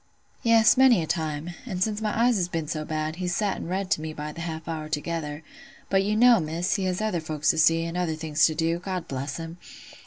"Yes, many a time; and since my eyes has been so bad, he's sat an' read to me by the half hour together: but you know, Miss, he has other folks to see, and other things to do—God bless him!